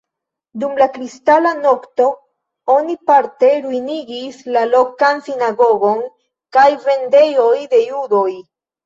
Dum la Kristala Nokto oni parte ruinigis la lokan sinagogon kaj vendejoj de judoj.